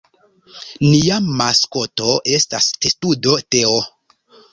Nia maskoto estas testudo Teo.